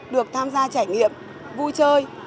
được tham gia trải nghiệm vui chơi